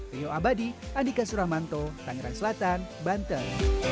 rio abadi andika suramanto tangerang selatan banten